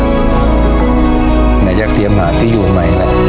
แต่ยังได้แกลมหาที่อยู่ใหม่แล้ว